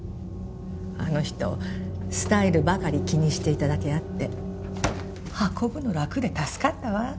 あの人スタイルばかり気にしていただけあって運ぶの楽で助かったわ。